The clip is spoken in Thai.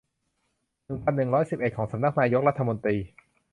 หนึ่งพันหนึ่งร้อยสิบเอ็ด ของสำนักนายกรัฐมนตรี